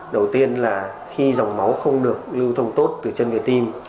đầu tiên là khi dòng máu không được lưu thông tốt từ chân người tim